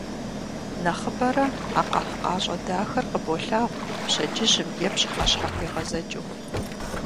Нэхъыбэрэ а къэхъукъащӏэ дахэр къыболъагъу пщэдджыжьым е пщыхьэщхьэхуегъэзэкӏыу.